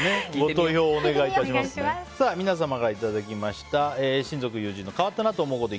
皆さんからいただいた親族・友人の変わったなぁと思うこと。